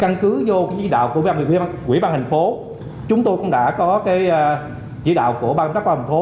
căn cứ vô cái chỉ đạo của quỹ ban thành phố chúng tôi cũng đã có cái chỉ đạo của ban đắc quan thành phố